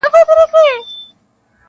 • دا کيسه د انساني درد يوه اوږده نښه ده,